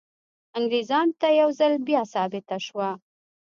انګریزانو ته یو ځل بیا ثابته شوه.